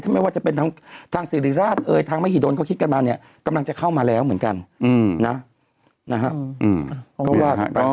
ไม่ว่าจะเป็นทางสิริราชเอ่ยทางมหิดลเขาคิดกันมาเนี่ยกำลังจะเข้ามาแล้วเหมือนกันนะ